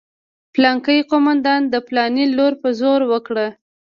پلانکي قومندان د پلاني لور په زوره وکړه.